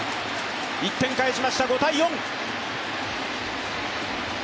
１点返しました、５−４。